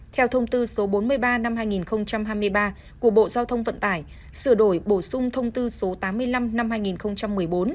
theo thông tư số bốn mươi ba năm hai nghìn hai mươi ba của bộ giao thông vận tải sửa đổi bổ sung thông tư số tám mươi năm năm